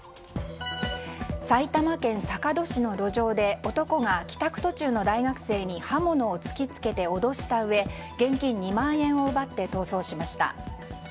埼玉県坂戸市の路上で、男が帰宅途中の大学生に刃物を突き付けて脅したうえ現金２万円を奪って逃走しました。